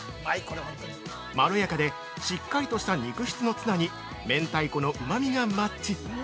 まろやかでしっかりとした肉質のツナに明太子のうまみがマッチ！